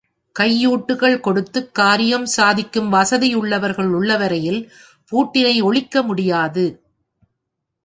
கையூட்டுகள் கொடுத்து காரியம் சாதிக்கும் வசதியுள்ளவர்கள் உள்ளவரையில், பூட்டினை ஒழிக்க முடியாது.